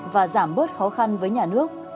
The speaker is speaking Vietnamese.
và giảm bớt khó khăn với nhà nước